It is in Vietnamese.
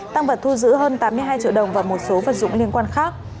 tăng vật thu giữ hơn tám mươi hai triệu đồng và một số vật dụng liên quan khác